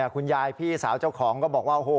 คุณย่าพี่สาวเจ้าของก็บอกว่า